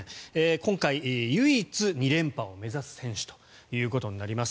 今回唯一２連覇を目指す選手ということになります。